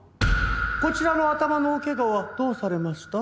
こちらの頭のお怪我はどうされました？